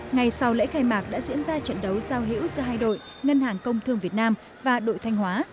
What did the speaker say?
ngày sau lễ khai mạc đã diễn ra trận đấu giao hữu giữa hai đội ngân hàng công thương việt nam và đội thanh hóa